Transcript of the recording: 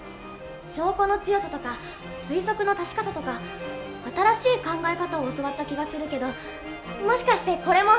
証拠の強さとか推測の確かさとか新しい考え方を教わった気がするけどもしかしてこれも。